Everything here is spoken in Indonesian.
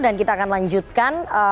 dan kita akan lanjutkan